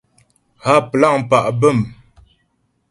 Há plâŋ pá' bə̂m.